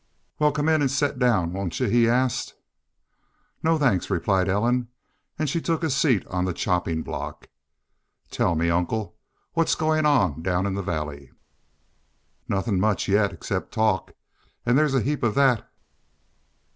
"Wal, come in an' set down, won't you?" he asked. "No, thanks," replied Ellen, and she took a seat on the chopping block. "Tell me, uncle, what's goin' on down in the Valley?" "Nothin' much yet except talk. An' there's a heap of thet."